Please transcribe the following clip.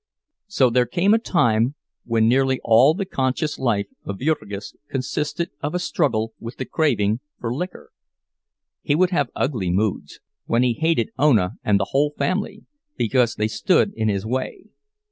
So there came a time when nearly all the conscious life of Jurgis consisted of a struggle with the craving for liquor. He would have ugly moods, when he hated Ona and the whole family, because they stood in his way.